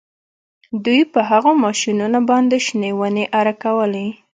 دوی په هغو ماشینونو باندې شنې ونې اره کولې